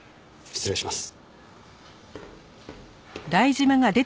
失礼します。